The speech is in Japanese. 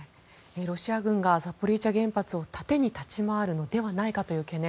ロシア軍がザポリージャ原発を盾に立ち回るのではないかという懸念。